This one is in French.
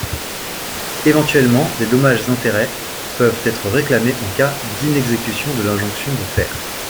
Éventuellement, des dommages-intérêts peuvent être réclamés en cas d'inexécution de l'injonction de faire.